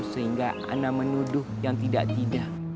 sehingga anda menuduh yang tidak tidak